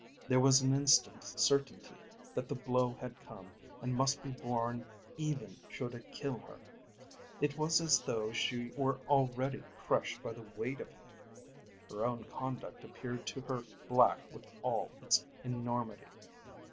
There was an instant certainty that the blow had come and must be borne even should it kill her. It was as though she were already crushed by the weight of it. Her own conduct appeared to her black with all its enormity.